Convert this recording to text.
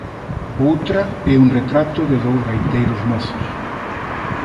Outra é un retrato de dous gaiteiros mozos.